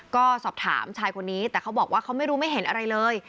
ก็สอบถามชายคนนี้แต่เขาบอกว่าเขาไม่รู้ไม่เห็นอะไรเลย